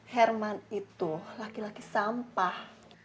herman itu laki laki sampah